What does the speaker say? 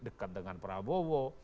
dekat dengan prabowo